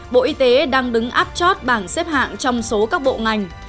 bộ y tế đang đứng áp chót bảng xếp hạng trong số các bộ ngành